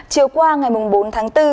chiều qua ngày mùng bốn tháng bốn